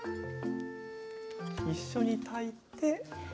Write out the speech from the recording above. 一緒に炊いて。